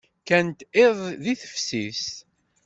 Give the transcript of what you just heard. Kkant iḍ deg teftist.